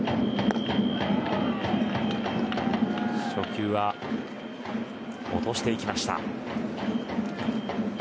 初球は落としていきました。